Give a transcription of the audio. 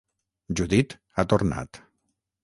Judit ha tornat.